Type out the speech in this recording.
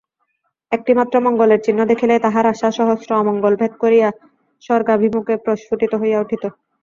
একটিমাত্র মঙ্গলের চিহ্ন দেখিলেই তাঁহার আশা সহস্র অমঙ্গল ভেদ করিয়া স্বর্গাভিমুখে প্রস্ফুটিত হইয়া উঠিত।